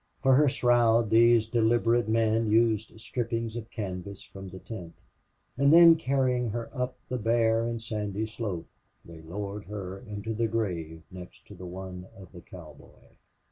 For her shroud these deliberate men used strippings of canvas from the tent, and then, carrying her up the bare and sandy slope, they lowered her into the grave next to the one of the cowboy.